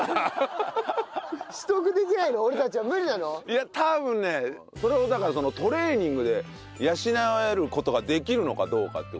いや多分ねそれをだからそのトレーニングで養える事ができるのかどうかっていう事。